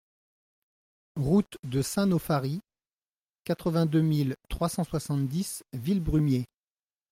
Route de Saint-Nauphary, quatre-vingt-deux mille trois cent soixante-dix Villebrumier